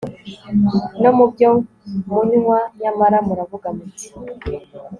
no mu byo munywa Nyamara muravuga muti